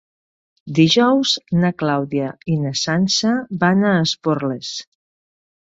Dijous na Clàudia i na Sança van a Esporles.